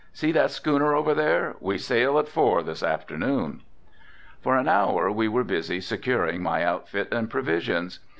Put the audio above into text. See that schooner over there, we sail at four this afternoon." For an hour we were busy securing my outfit and provisions.